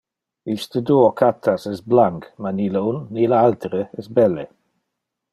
Iste duo cattas es blanc, ma ni le un ni le altere es belle.